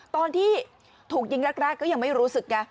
ตอนที่ถูกยิงรากร้ายก็ยังไม่รู้สึก